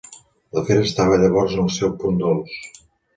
L'afer estava llavors en el seu punt dolç.